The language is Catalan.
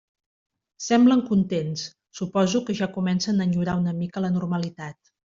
Semblem contents, suposo que ja comencem a enyorar una mica la normalitat.